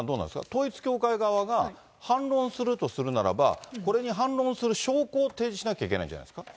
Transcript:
統一教会側が反論するとするならば、これに反論する証拠を提示しなきゃいけないんじゃないですか。